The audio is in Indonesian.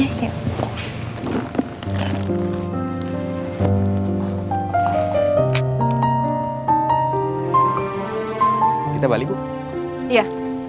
ya dah taruh bolanya